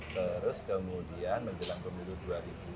terus kemudian menjelang pemilu dua ribu empat